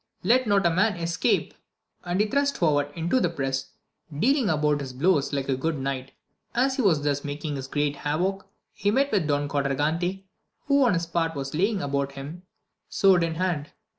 let not a man escape! and he thrust forward into the press, dealing about his blows like a good knight. As he was thus making great havock, he met Don Quadragante, who on his part was laying about him, sword in hand.